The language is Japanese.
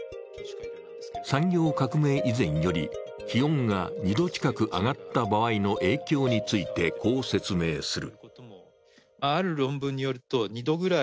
産業革命以前より気温が２度近く上がった場合の影響について、こう説明する。